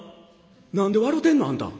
「何で笑うてんの？あんた。